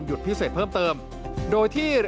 พิเศษเพิ่มเติมโดยที่